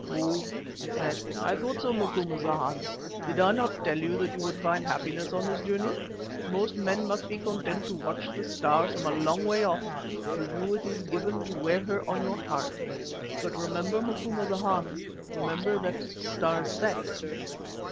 "Oh!" he said, "I thought so, Macumazahn. Did I not tell you that you would find happiness on this journey? Most men must be content to watch the Star from a long way off, to you it is given to wear her on your heart. But remember, Macumazahn, remember that stars set."